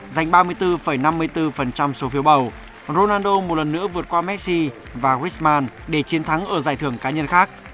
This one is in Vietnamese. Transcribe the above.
giành ba mươi bốn năm mươi bốn số phiếu bầu ronaldo một lần nữa vượt qua messi và risman để chiến thắng ở giải thưởng cá nhân khác